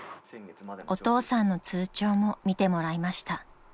［お父さんの通帳も見てもらいました］